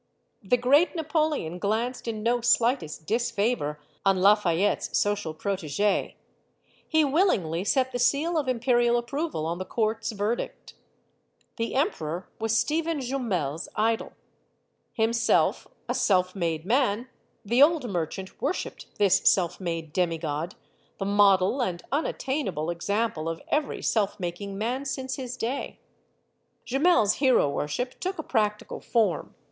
The great Napoleon glanced in no slightest disfavor on Lafayette's social protegee. He willingly set the seal of imperial approval on the court's verdict The emperor was Stephen Jumel's idol. Himself a self made man, the old merchant worshiped this self made demigod, the model and unattainable example of every self making man since his day. Jumel's hero worship took a practical form.